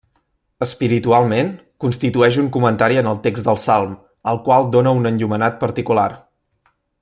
Espiritualment, constitueix un comentari en el text del salm, al qual dóna un enllumenat particular.